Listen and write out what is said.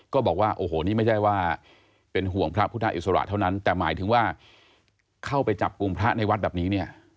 ก็บอกว่าโอ้โหนี่ไม่ใช่ว่าเป็นห่วงพระพุทธอิสระเท่านั้นแต่หมายถึงว่าเข้าไปจับกลุ่มพระในวัดแบบนี้เนี่ย